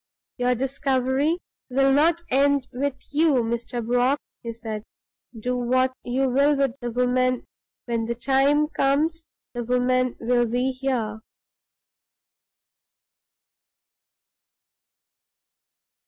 "Your discovery will not end with you, Mr. Brock," he said. "Do what you will with the woman, when the time comes the woman will be here."